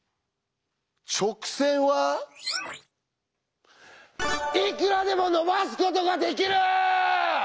「直線はいくらでも延ばすことができる」！